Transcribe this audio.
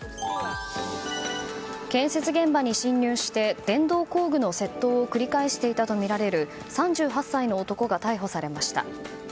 建設現場に侵入して電動工具の窃盗を繰り返していたとみられる３８歳の男が逮捕されました。